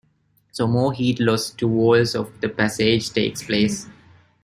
So more heat loss to walls of the passage takes place.